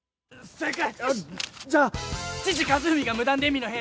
正解。